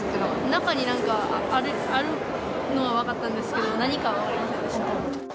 中になんかあるのは分かったんですけど、何かは分かりませんでした。